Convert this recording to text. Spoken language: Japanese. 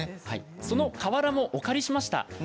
その瓦もお借りしました。